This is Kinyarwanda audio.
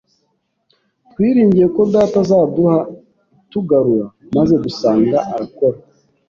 twiringiye ko data azaduha itugarura. Maze dusanga arakora